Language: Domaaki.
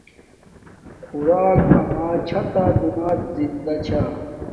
خوراک اما چھا تہ دونات زندہ چھا